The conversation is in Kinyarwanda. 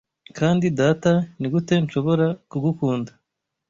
'Kandi, data, nigute nshobora kugukunda